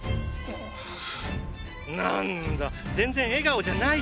なんだ全然笑顔じゃないじゃん！